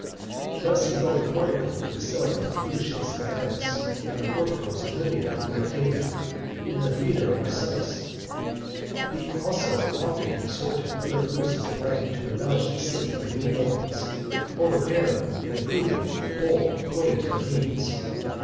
Thus he built the portico and basilica of Lucius and Caius, and the porticos of Livia and Octavia , and the theatre of Marcellus . He also often exhorted other persons of rank to embellish the city by new buildings, or repairing and improving the old, according to their means.